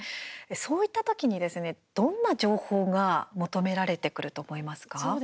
そういった時にですねどんな情報が求められてくると思いますか。